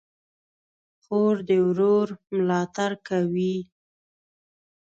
خور د ورور ملاتړ کوي.